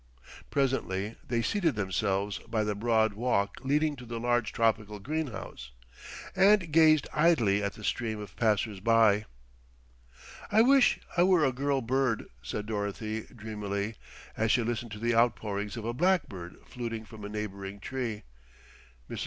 Presently they seated themselves by the broad walk leading to the large tropical greenhouse, and gazed idly at the stream of passers by. "I wish I were a girl bird," said Dorothy dreamily, as she listened to the outpourings of a blackbird fluting from a neighbouring tree. Mrs.